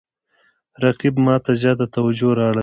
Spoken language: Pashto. رقیب ما ته زیاته توجه را اړوي